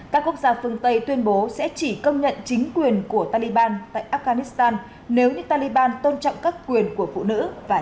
các quốc gia phương tây tuyên bố sẽ chỉ công nhận chính quyền của taliban tại afghanistan nếu như taliban tôn trọng các quyền của phụ nữ và trẻ